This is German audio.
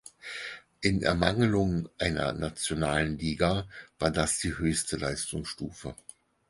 In Ermangelung einer nationalen Liga war das die höchste Leistungsstufe.